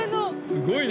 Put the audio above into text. すごいね。